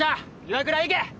岩倉行け！